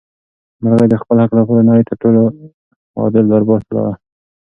مرغۍ د خپل حق لپاره د نړۍ تر ټولو عادل دربار ته لاړه.